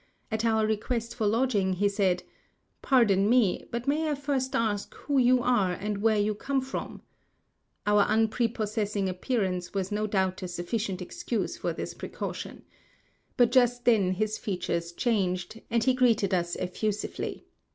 At our request for lodging, he said, "Pardon me, but may I first ask who you are and where you come from?" Our unprepossessing appearance was no doubt a sufficient excuse 194 Across Asia on a Bicycle for this precaution. But just then his features changed, and he greeted us effusively.